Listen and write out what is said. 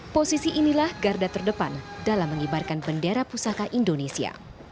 posisi inilah garda terdepan dalam mengibarkan bendera pusaka indonesia